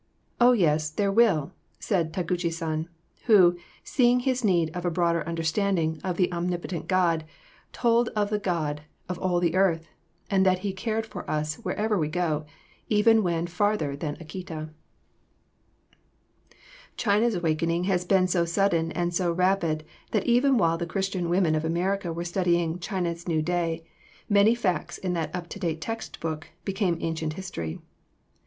'Oh, yes, there will,' said Taguchi San, who, seeing his need of a broader understanding of the Omnipotent God, told of the God of all the earth, and that He cared for us wherever we go, even when farther than Akita." [Sidenote: China's awakening.] China's awakening has been so sudden and so rapid that even while the Christian women of America were studying "China's New Day," many facts in that up to date text book became ancient history.